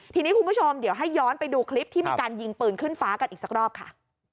ทีนี้คุณผู้ชมเดี๋ยวให้ย้อนไปดูคลิปที่มีการยิงปืนขึ้นฟ้ากันอีกสักรอบค่ะ